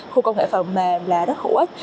khu công nghệ phần mềm là rất hữu ích